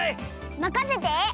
まかせて！